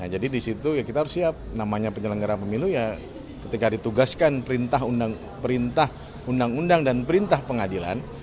jadi di situ kita harus siap namanya penyelenggara pemilu ketika ditugaskan perintah undang undang dan perintah pengadilan